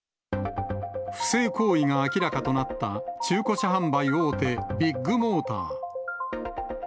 不正行為が明らかとなった中古車販売大手、ビッグモーター。